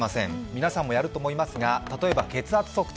皆さんもやる思いますが、例えば血圧測定。